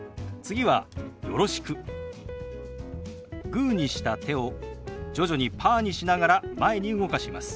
グーにした手を徐々にパーにしながら前に動かします。